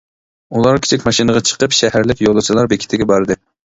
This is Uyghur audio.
ئۇلار كىچىك ماشىنىغا چىقىپ شەھەرلىك يولۇچىلار بېكىتىگە باردى.